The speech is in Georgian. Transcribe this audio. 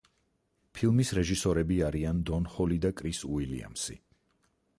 ფილმის რეჟისორები არიან დონ ჰოლი და კრის უილიამსი.